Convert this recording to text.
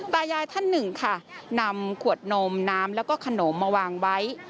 ตายายท่านหนึ่งค่ะนำขวดนมน้ำแล้วก็ขนมมาวางไว้